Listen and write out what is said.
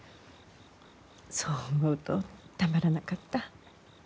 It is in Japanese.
そう思うとたまらなかった。